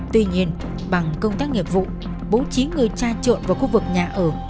tuy nhiên bằng công tác nghiệp vụ bố trí người tra trộn vào khu vực nhà ở